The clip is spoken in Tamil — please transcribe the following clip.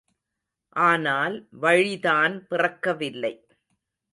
ஆனால் வழிதான் பிறக்கவில்லை.